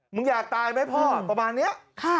มึงอยากตายมั้ยพ่อประมาณเนี้ย